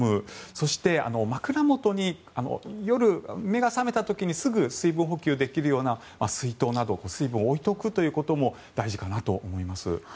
そして、枕元に夜、目が覚めた時にすぐ水分補給できるような水筒など水分を置いておくことも大事かなと思います。